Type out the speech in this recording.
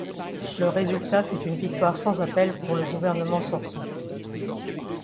Le résultat fut une victoire sans appel pour le gouvernement sortant.